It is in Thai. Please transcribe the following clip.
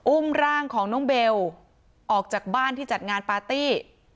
อุ้มร่างของน้องเบลออกจากบ้านที่จัดงานปาร์ตี้